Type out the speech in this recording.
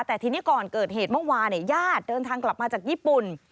แต่ทีนี้ก่อนเกิดเหตุเมื่อวานญาติเดินทางกลับมาจากญี่ปุ่น